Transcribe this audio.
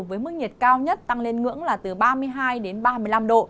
với mức nhiệt cao nhất tăng lên ngưỡng là từ ba mươi hai đến ba mươi năm độ